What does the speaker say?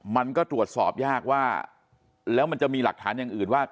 มันก็ตรวจสอบยากว่าแล้วมันจะมีหลักฐานอย่างอื่นว่า